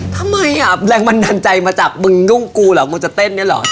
ทำไมอ่ะแรงบันดาลใจมาจากมึงยุ่งกูเหรอมึงจะเต้นเนี่ยเหรอ